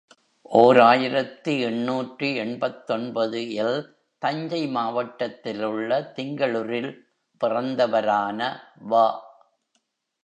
ஓர் ஆயிரத்து எண்ணூற்று எண்பத்தொன்பது இல் தஞ்சை மாவட்டத்தில் உள்ள திங்களுரில் பிறந்தவரான வ.